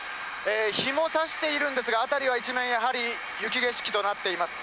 日もさしているんですが、辺りは一面、やはり、雪景色となっています。